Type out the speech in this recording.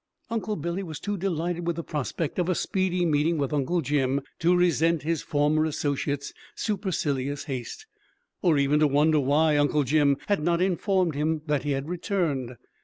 Uncle Billy was too delighted with the prospect of a speedy meeting with Uncle Jim to resent his former associate's supercilious haste, or even to wonder why Uncle Jim had not informed him that he had returned.